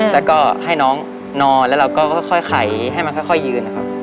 แล้วก็ให้น้องนอนแล้วเราก็ค่อยไขให้มันค่อยยืนนะครับ